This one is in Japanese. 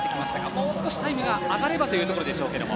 もう少しタイムが上がればというところでしょう。